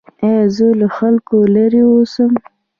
ایا زه له خلکو لرې اوسم؟